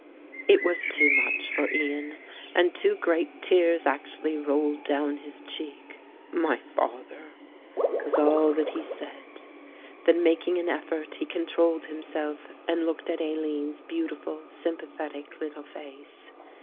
It was too much for Ian and two great tears actually rolled down his cheek. "My Father," was all that he said. Then making an effort, he controlled himself and looked at Aline's beautiful sympathetic little face.